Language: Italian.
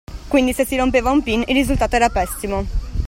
Quindi se si rompeva un pin, il risultato era pessimo.